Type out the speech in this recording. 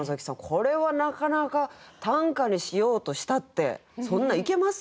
これはなかなか短歌にしようとしたってそんないけますか？